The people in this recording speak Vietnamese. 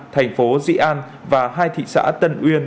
thành phố dị an và hai thị xã tân uyên